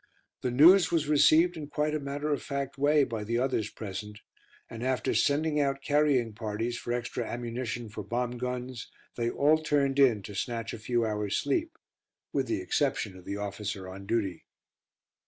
The news was received in quite a matter of fact way by the others present, and after sending out carrying parties for extra ammunition for bomb guns, they all turned in to snatch a few hours' sleep, with the exception of the officer on duty.